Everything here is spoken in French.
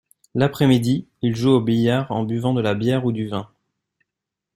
L’après-midi, il joue au billard en buvant de la bière ou du vin.